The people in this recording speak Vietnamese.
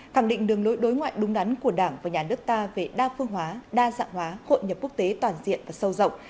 khẳng định đường lối đối ngoại đúng đắn của đảng và nhà nước ta về đa phương hóa đa dạng hóa hội nhập quốc tế toàn diện và sâu rộng